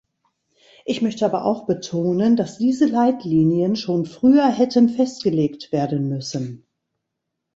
Ich möchte aber auch betonen, dass diese Leitlinien schon früher hätten festgelegt werden müssen.